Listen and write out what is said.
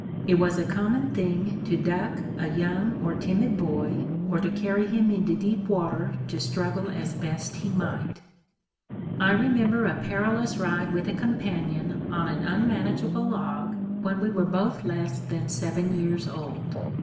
It was a common thing to "duck" a young or timid boy or to carry him into deep water to struggle as best he might. I remember a perilous ride with a companion on an unmanageable log, when we were both less than seven years old.